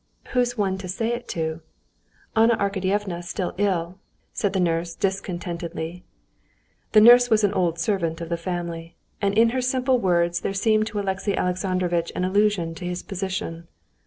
"Who's one to say it to? Anna Arkadyevna still ill...." said the nurse discontentedly. The nurse was an old servant of the family. And in her simple words there seemed to Alexey Alexandrovitch an allusion to his position.